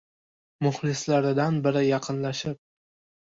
Muxlislaridan biri yaqinlashib: